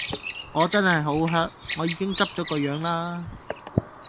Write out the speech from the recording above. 我真係好 hurt， 我已經執咗個樣啦!